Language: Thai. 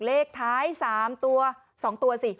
เลขท้าย๓ตัว๒ตัวสิ